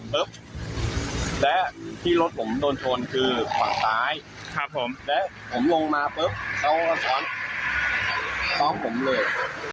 ปั๊ปแล้วที่รถผมโดนชนคือฝั่งตายครับผมแล้วผมลงมาปั๊ปเขาก็ผ่านคอบผมเลย